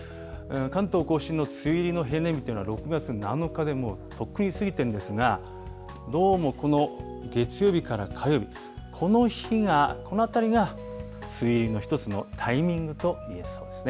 関東甲信の梅雨入りの平年日というのは６月７日で、もう、とっくに過ぎてんですが、どうもこの月曜日から火曜日、この日が、このあたりが、梅雨入りの一つのタイミングといえそうですね。